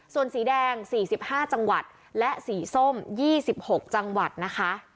ส่วนสีแดงสี่สิบห้าจังหวัดและสีส้มยี่สิบหกจังหวัดนะคะ